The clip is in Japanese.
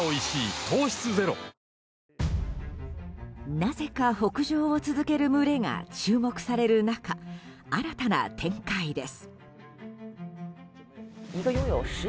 なぜか北上を続ける群れが注目される中新たな展開です。